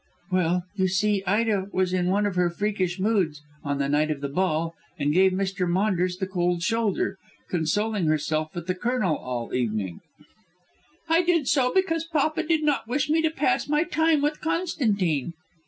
"Well, you see, Ida was in one of her freakish moods on the night of the ball and gave Mr. Maunders the cold shoulder, consoling herself with the Colonel all the evening." "I did so because papa did not wish me to pass my time with Constantine."